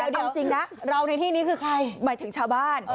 เอาจริงนะเราในที่นี้คือใครหมายถึงชาวบ้าน